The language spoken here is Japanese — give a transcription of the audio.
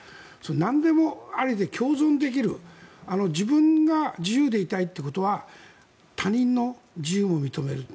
なんでもありで共存できる自分が自由でいたいってことは他人の自由を認める。